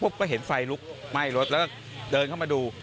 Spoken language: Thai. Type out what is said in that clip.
ก็เห็นไฟลุกไหม้รถแล้วก็เดินเข้ามาดู